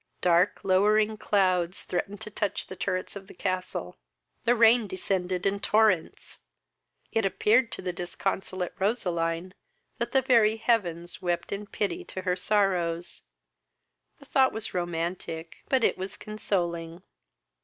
Dark lowering clouds threatened to touch the turrets of the castle. The rain descended in torrents. It appeared to the disconsolate Roseline that the very heavens wept in pity to her sorrows; the thought was romantic, but it was consoling.